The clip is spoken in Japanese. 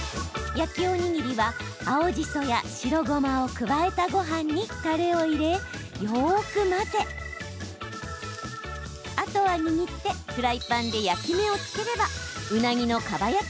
焼きおにぎりは青じそや白ごまを加えたごはんにたれを入れ、よく混ぜあとは、握ってフライパンで焼き目をつければうなぎのかば焼き